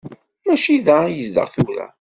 Mačči da i yezdeɣ tura.